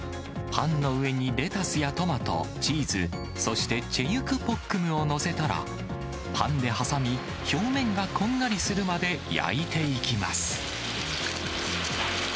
パンの上にレタスやトマト、チーズ、そして、チェユクポックムを載せたら、パンで挟み、表面がこんがりするまで焼いていきます。